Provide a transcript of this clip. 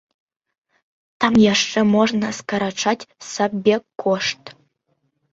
Там яшчэ можна скарачаць сабекошт.